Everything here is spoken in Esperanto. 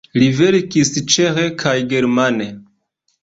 Li verkis ĉeĥe kaj germane.